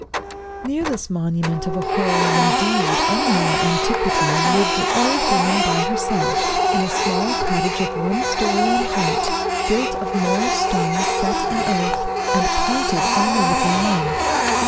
Near this monument of a hoar and indeed unknown antiquity lived an old woman by herself, in a small cottage of one story in height, built of moor stones set in earth, and pointed only with lime.